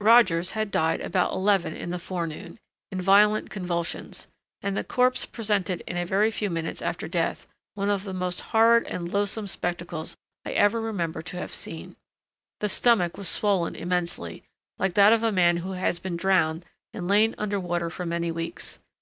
Rogers had died about eleven in the forenoon, in violent convulsions; and the corpse presented in a few minutes after death one of the most horrid and loathsome spectacles I ever remember to have seen. The stomach was swollen immensely, like that of a man who has been drowned and lain under water for many weeks.